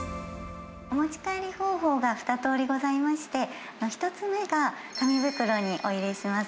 お持ち帰り方法が２通りございまして、１つ目が、紙袋にお入れします。